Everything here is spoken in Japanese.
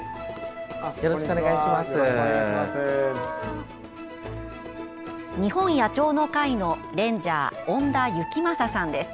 よろしくお願いします。